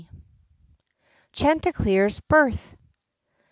chanticleer's birth.